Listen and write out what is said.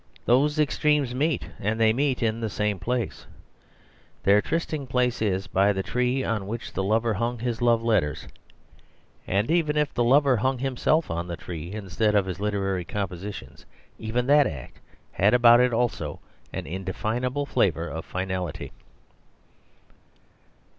Those extremes meet; and they meet in the same place. Their trysting place is by the tree on which the lover hung his love letters. And even if the lover hung himself on the tree, instead of his literary compositions, even that act had about it also an indefinable flavour of finality.